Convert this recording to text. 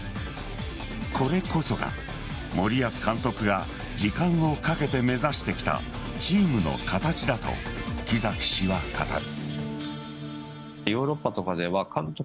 これこそが森保監督が時間をかけて目指してきたチームの形だと木崎氏は語る。